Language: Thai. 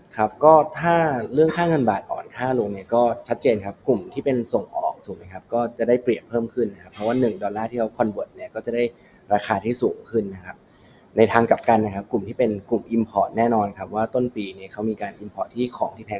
ครับก็ถ้าเรื่องค่าเงินบาทอ่อนค่าลงเนี่ยก็ชัดเจนครับกลุ่มที่เป็นส่งออกถูกไหมครับก็จะได้เปรียบเพิ่มขึ้นนะครับเพราะว่าหนึ่งดอลลาร์ที่เขาคอนเวิร์ตเนี่ยก็จะได้ราคาที่สูงขึ้นนะครับในทางกลับกันนะครับกลุ่มที่เป็นกลุ่มอิมพอร์ตแน่นอนครับว่าต้นปีเนี่ยเขามีการอิมพอร์ตที่ของที่แพง